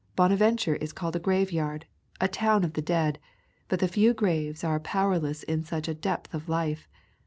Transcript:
Bonaventure is called a graveyard, a town of the dead, but the few graves are powerless in such a depth of life.